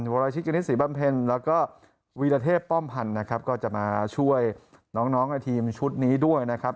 วรชิตกณิตศรีบำเพ็ญแล้วก็วีรเทพป้อมพันธ์นะครับก็จะมาช่วยน้องน้องในทีมชุดนี้ด้วยนะครับ